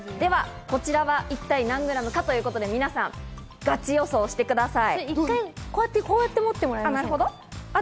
こちらは一体何グラムかということで、皆さん、ガチ予想してください。